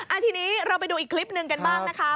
อันนี้เราไปดูอีกคลิปหนึ่งกันบ้างนะคะ